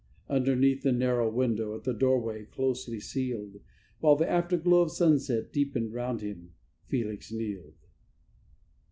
Underneath the narrow window, at the doorway closely sealed, While the afterglow of sunset deepened round him, Felix kneeled.